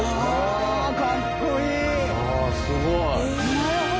なるほど！